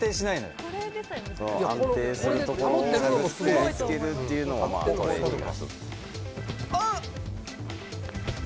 安定する所を見つけるっていうのも、トレーニング。